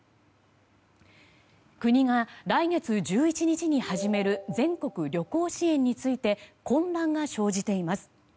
国が来月１１日に始める全国旅行支援について混乱が生じています。